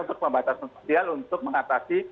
untuk pembatasan sosial untuk mengatasi